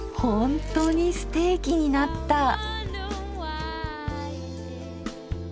ほんとにステーキになった。